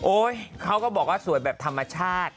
เขาก็บอกว่าสวยแบบธรรมชาติ